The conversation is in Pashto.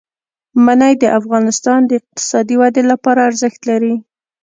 منی د افغانستان د اقتصادي ودې لپاره ارزښت لري.